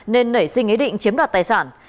nên nảy sinh ý định chiếm đoạt tài sản